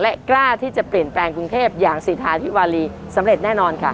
และกล้าที่จะเปลี่ยนแปลงกรุงเทพอย่างสิทธาธิวารีสำเร็จแน่นอนค่ะ